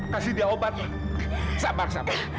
kasih dia obat sapa sabar